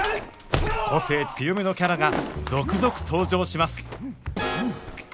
個性強めのキャラが続々登場します